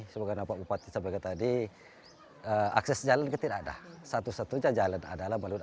sebagai nama bapak bupati sampai ke tadi akses jalan tidak ada satu satunya jalan adalah melalui